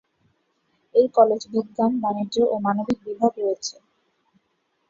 এই কলেজ বিজ্ঞান, বাণিজ্য ও মানবিক বিভাগ রয়েছে।